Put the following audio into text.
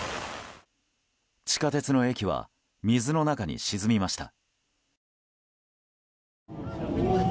地下鉄の駅は水の中に沈みました。